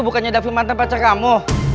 bukannya davi mantan pacar kamu